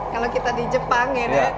kalau kita di jepang ini